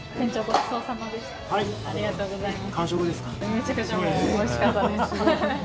めちゃくちゃもうおいしかったです。